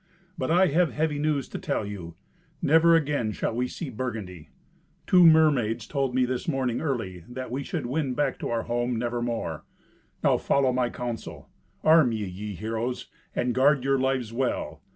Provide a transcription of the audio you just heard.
But I have heavy news to tell you. Never again shall we see Burgundy. Two mermaids told me this morning early that we should win back to our home nevermore. Now follow my counsel. Arm ye, ye heroes, and guard your lives well.